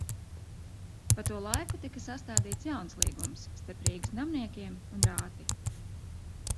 Pa to laiku tika sastādīts jauns līgums starp Rīgas namniekiem un rāti.